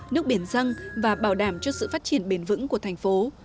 nước biển dân và bảo đảm cho sự phát triển bền vững của thành phố